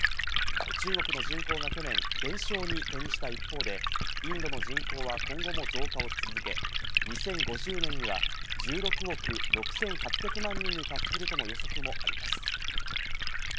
中国の人口が去年、減少に転じた一方で、インドの人口は今後も増加を続け、２０５０年には１６億６８００万人に達するとの予測もあります。